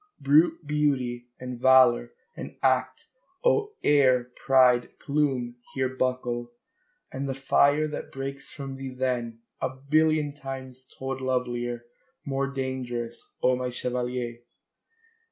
Brute beauty and valour and act, oh, air, pride, plume, here Buckle! AND the fire that breaks from thee then, a billion Times told lovelier, more dangerous, O my chevalier!